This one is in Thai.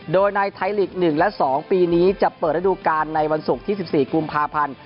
โดยในไทยลีก๑และ๒ปีนี้จะเปิดระดูการในวันศุกร์ที่๑๔กุมภาพันธ์